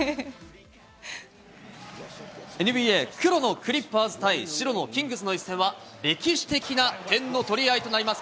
ＮＢＡ、黒のクリッパーズ対、白のキングスの一戦は、歴史的な点の取り合いとなります。